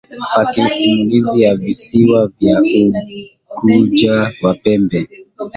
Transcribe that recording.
fasihi simulizi ya visiwa vya Unguja na Pemba